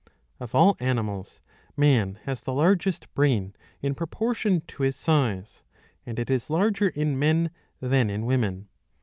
Of all animals, man has the largest brain in proportion to his size ; and it is larger in men than in women.